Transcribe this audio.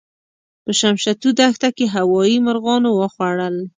په شمشتو دښته کې هوايي مرغانو وخوړل.